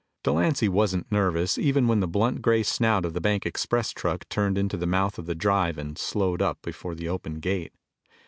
Delancy wasn't nervous even when the blunt gray snout of the bank express truck turned into the mouth of the drive and slowed up before the open gate.